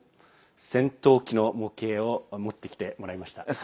戦闘機の模型を持ってきてもらいました。